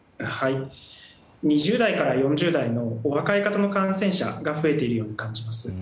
２０代から４０代のお若い方の感染者が増えているように感じます。